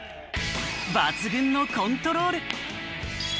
抜群のコントロール。